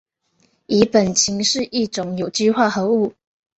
苯乙腈是一种有机化合物。